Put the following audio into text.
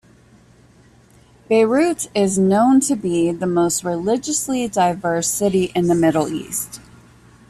Beirut is known to be the most religiously diverse city in the Middle East.